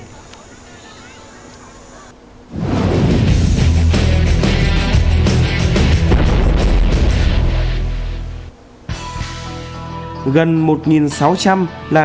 gần một sáu trăm linh là số mũ bảo hiểm đúng cách để thấy cô hướng dẫn thường xuyên cho học sinh